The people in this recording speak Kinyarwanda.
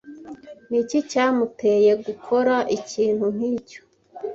Ni iki cyamuteye gukora ikintu nk'icyo?